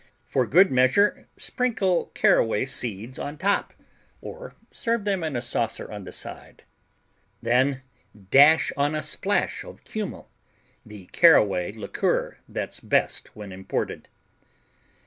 For good measure sprinkle caraway seeds on top, or serve them in a saucer on the side. Then dash on a splash of kümmel, the caraway liqueur that's best when imported.